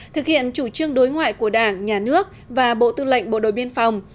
thực hiện chủ trương đối ngoại của đảng nhà nước và bộ tư lệnh bộ đội biên phòng